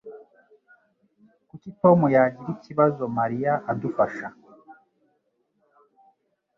Kuki Tom yagira ikibazo Mariya adufasha